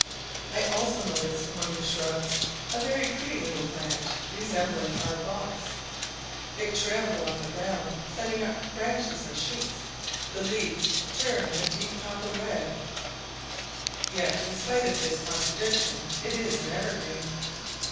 I also noticed among the shrubs a very pretty little plant, resembling our box; it trails along the ground, sending up branches and shoots; the leaves turn of a deep copper red*; yet, in spite of this contradiction, it is an evergreen.